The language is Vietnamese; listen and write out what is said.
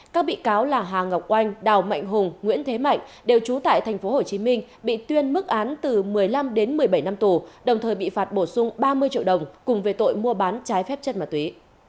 các bị cáo là hà ngọc anh đào mạnh hùng nguyễn thế mạnh đều trú tại tp hcm bị tuyên mức án từ một mươi năm đến một mươi bảy năm tù đồng thời bị phạt bổ sung ba mươi triệu đồng cùng về tội mua bán trái phép chất ma túy